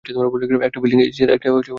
একটা folding easy chair, একটা table lamp.